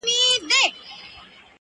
o پخپل خنجر پاره پاره دي کړمه,